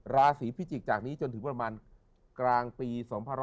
ราศีพิจิกษ์จากนี้จนถึงประมาณกลางปี๒๕๖๒